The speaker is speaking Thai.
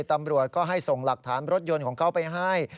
ตำรวจก็ให้ส่งหลักฐานรถยนต์ของเขาไปให้